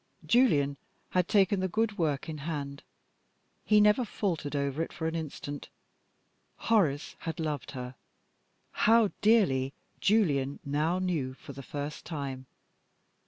Julian had taken the good work in hand: he never faltered over it for an instant. Horace had loved her how dearly Julian now knew for the first time.